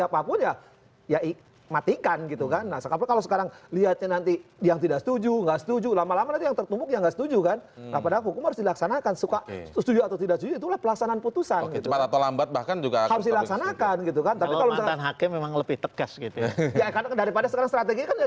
apalagi menjatuhkan mati